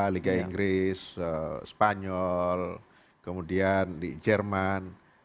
liga inggris spanyol kemudian di jerman